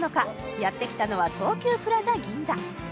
やってきたのは東急プラザ銀座